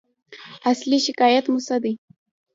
اصلي شکایت مو څه دی؟